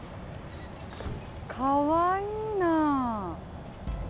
かわいいな。